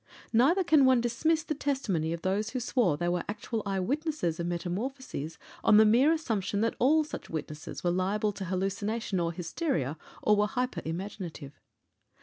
Neither can one dismiss the testimony of those who swore they were actual eye witnesses of metamorphoses, on the mere assumption that all such witnesses were liable to hallucination or hysteria, or were hyper imaginative.